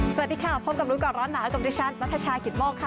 สวัสดีค่ะพบกับรู้ก่อนร้อนหนาวกับดิฉันนัทชายกิตโมกค่ะ